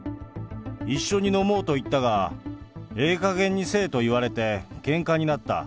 一緒に飲もうと言ったが、ええかげんにせえと言われてけんかになった。